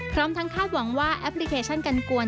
พร้อมทั้งคาดหวังว่าแอปพลิเคชันกันกวน